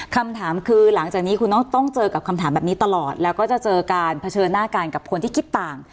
คำถามคือหลังจากนี้คุณต้องเจอกับคำถามแบบนี้ตลอดแล้วก็จะเจอการเผชิญหน้ากันกับคนที่คิดต่าง